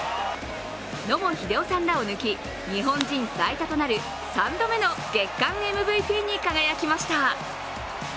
野茂英雄さんらを抜き日本人最多となる３度目の月間ＭＶＰに輝きました。